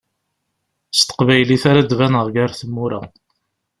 S teqbaylit ara d-baneɣ gar tmura.